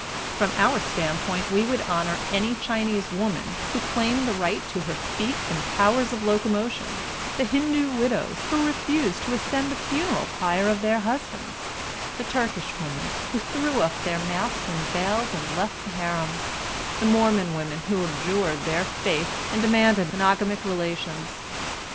From our standpoint we would honor any Chinese woman who claimed the right to her feet and powers of locomotion; the Hindoo widows who refused to ascend the funeral pyre of their husbands; the Turkish women who threw off their masks and veils and left the harem; the Mormon women who abjured their faith and demanded monogamic relations.